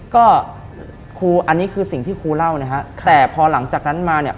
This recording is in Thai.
ก็ครูอันนี้คือสิ่งที่ครูเล่านะฮะแต่พอหลังจากนั้นมาเนี่ย